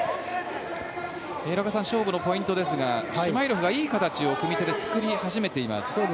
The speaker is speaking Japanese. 平岡さん勝負のポイントですがシュマイロフがいい形を組み手で作り始めています。